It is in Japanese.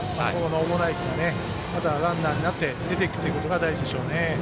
小保内君がまたランナーになって出ていくことが大事でしょうね。